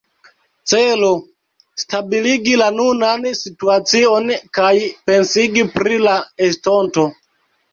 Celo: stabiligi la nunan situacion kaj pensigi pri la estonto.